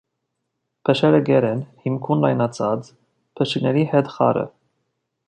Փշերը կեռ են, հիմքում լայնացած, փշիկների հետ խառը։